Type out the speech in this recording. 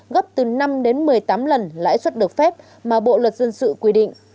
gấp từ năm đến một mươi tám lần lãi suất được phép mà bộ luật dân sự quy định